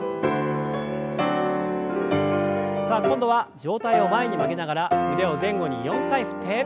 さあ今度は上体を前に曲げながら腕を前後に４回振って。